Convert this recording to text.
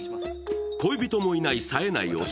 恋人もいないさえない男